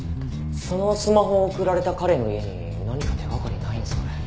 そのスマホを送られた彼の家に何か手掛かりないんですかね。